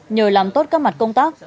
như làm tốt các mạch công tác